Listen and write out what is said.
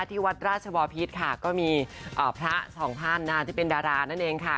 ที่วัดราชบอพิษค่ะก็มีพระสองท่านที่เป็นดารานั่นเองค่ะ